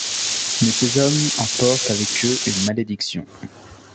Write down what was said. Mais ces hommes emportent avec eux une malédiction.